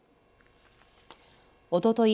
おととい